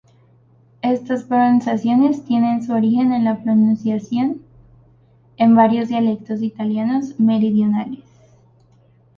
Estas pronunciaciones tiene su origen en la pronunciación en varios dialectos italianos meridionales.